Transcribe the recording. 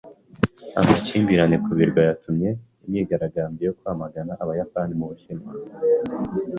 Amakimbirane kuri ibyo birwa yatumye imyigaragambyo yo kwamagana abayapani mu Bushinwa.